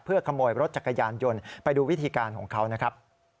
ขโมยรถจักรยานยนต์ไปดูวิธีการของเขานะครับ